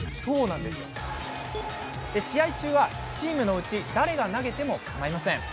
試合中は、チームのうち誰が投げても構いません。